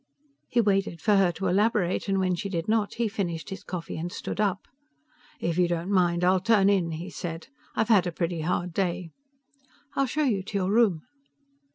He waited for her to elaborate, and when she did not he finished his coffee and stood up. "If you don't mind, I'll turn in," he said. "I've had a pretty hard day." "I'll show you your room."